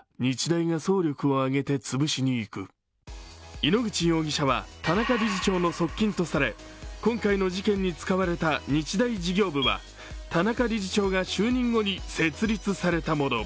井ノ口容疑者は田中理事長の側近とされ今回の事件に使われた日大事業部は田中理事長が就任後に設立されたもの。